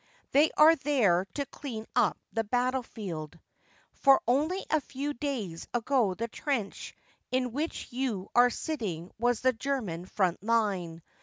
They are there to clear up the battlefield ; for only a few days ago the trench in which you are sitting was the German front line.